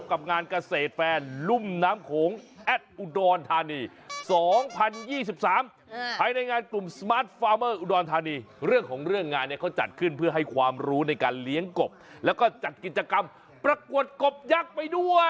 หน้าได้มาจากไหนบ้างในไทยก็อุดรต่างประเทศก็มีสปลาวก็รวบประกวดนะฮะ